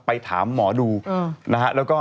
ไปถามหมอดูนะฮะแล้วก็